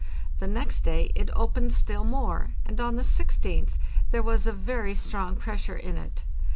The next day it opened still more, and on the 16th there was a very strong pressure in it.